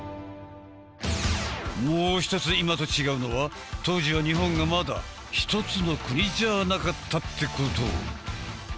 もう一つ今と違うのは当時は日本がまだ一つの国じゃなかったってこと。